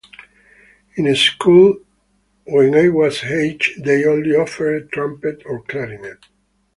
In school when I was eight, they only offered trumpet or clarinet.